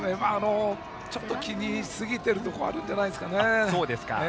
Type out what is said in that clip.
気にしすぎているところもあるんじゃないですかね。